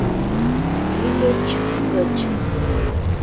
Вӱлыч — гыч.